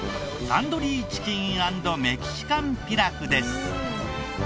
タンドリーチキン＆メキシカンピラフです。